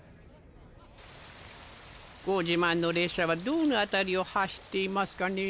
ご自慢の列車はどの辺りを走っていますかね？